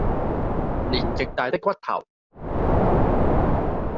連極大的骨頭，